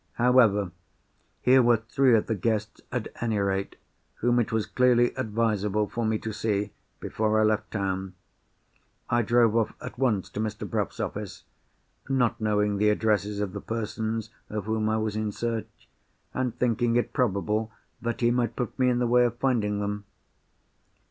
However, here were three of the guests, at any rate, whom it was clearly advisable for me to see before I left town. I drove off at once to Mr. Bruff's office; not knowing the addresses of the persons of whom I was in search, and thinking it probable that he might put me in the way of finding them.